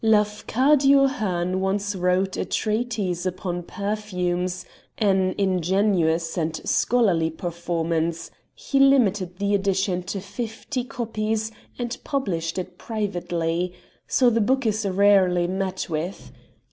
Lafcadio Hearn once wrote a treatise upon perfumes, an ingenious and scholarly performance; he limited the edition to fifty copies and published it privately so the book is rarely met with.